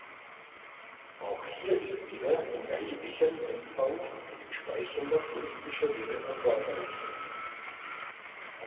Auch hier ist wieder in erheblichem Umfang ein entsprechender politischer Wille erforderlich.